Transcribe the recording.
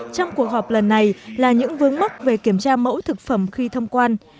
trong cuộc họp lần này là những vướng mắc về kiểm tra mẫu thực phẩm khi thông quan